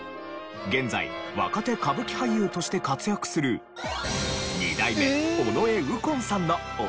現在若手歌舞伎俳優として活躍する二代目尾上右近さんのおじいさんなんです。